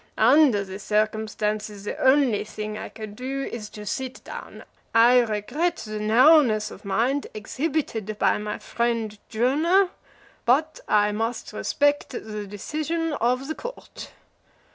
Under the circumstances, the only thing I can do is to sit down. I regret the narrowness of mind exhibited by my friend Jonah, but I must respect the decision of the court."